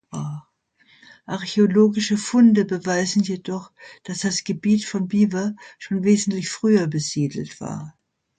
Archäologische Funde beweisen jedoch, dass das Gebiet von Biewer schon wesentlich früher besiedelt war.